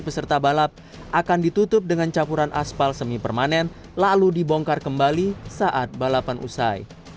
peserta balap akan ditutup dengan campuran aspal semi permanen lalu dibongkar kembali saat balapan usai